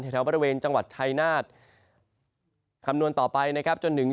แถวบริเวณจังหวัดชายนาฏคำนวณต่อไปนะครับจนถึง